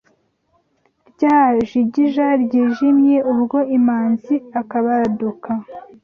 Ryajigija ryijimye Ubwo Imanzi akabaduka